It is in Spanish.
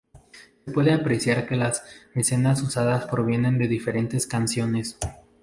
Se puede apreciar que las escenas usadas provienen de diferentes canciones.